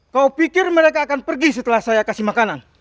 kau pikir mereka akan pergi setelah saya kasih makanan